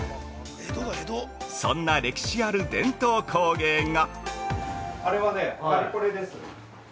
そんな歴史ある伝統工芸が？